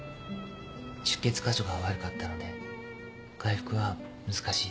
出血個所が悪かったので回復は難しい。